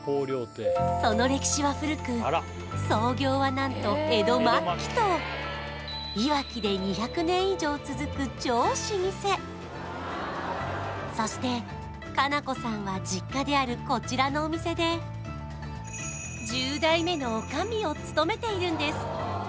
その歴史は古く創業は何と江戸末期といわきでそして華奈子さんは実家であるこちらのお店で１０代目の女将を務めているんです